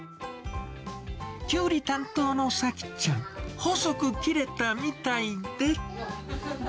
キュウリ担当の幸ちゃん、細く切れたみたいで。